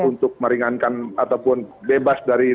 untuk meringankan ataupun bebas dari